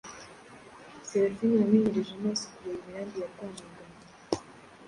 Selafina wamenyereje amaso kureba imirambi ya Rwamagana,